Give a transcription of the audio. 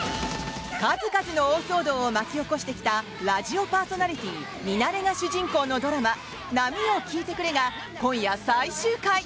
数々の大騒動を巻き起こしてきたラジオパーソナリティーミナレが主人公のドラマ「波よ聞いてくれ」が今夜、最終回！